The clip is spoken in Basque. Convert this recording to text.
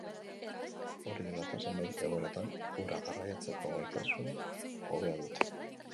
Hori dela eta, zenbait egoeratan ura garraiatzeko gaitasun hobea dute.